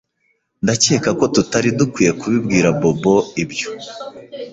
Ndakeka ko tutari dukwiye kubibwira Bobo ibyo.